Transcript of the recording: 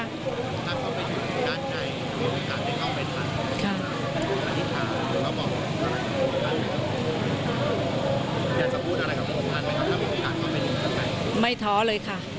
อยากจะพูดอะไรครับคุณผู้ชายไม่ท้อเลยค่ะ